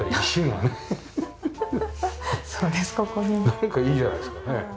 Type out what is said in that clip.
なんかいいじゃないですかねえ。